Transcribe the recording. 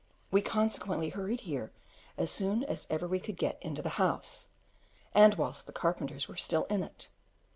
We consequently hurried here as soon as ever we could get into the house, and whilst the carpenters were still in it.